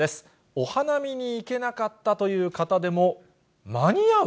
お花見に行けなかったという方でも、間に合う？